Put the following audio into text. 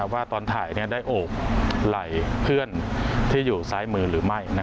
ว่าตอนถ่ายได้โอบไหล่เพื่อนที่อยู่ซ้ายมือหรือไม่